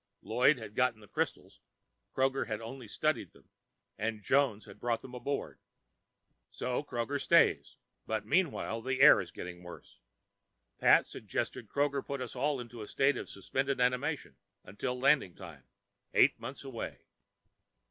Lloyd had gotten the crystals, Kroger had only studied them, and Jones had brought them aboard. So Kroger stays, but meanwhile the air is getting worse. Pat suggested Kroger put us all into a state of suspended animation till landing time, eight months away.